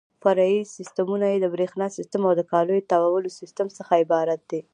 فرعي سیسټمونه یې د برېښنا سیسټم او د کالیو تاوولو سیسټم څخه عبارت دي.